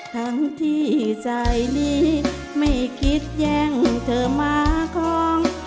ทั้งที่ใจนี้ไม่คิดแย่งเธอมาของ